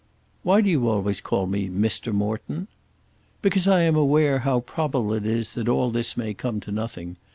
"Why do you always call me Mr. Morton?" "Because I am aware how probable it is that all this may come to nothing.